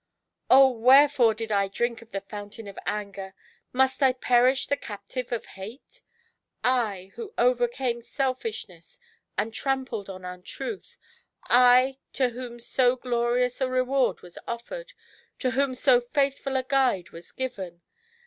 " Oh, wherefore did I drink of the fountain of Anger, — must 1 perish the captive of Hate ! I, who overcame Selfishness and trampled on Untruth !— I, to whom so glorious a reward was ofiered — to whom so faithful a guide was given